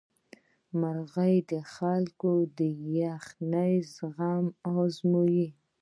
مرغومی د خلکو د یخنۍ زغم ازمويي.